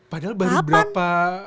padahal baru berapa